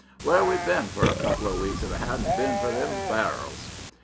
Whar'd we hev been for a couple of weeks ef it hadn't bin fur them bar'ls?"